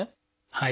はい。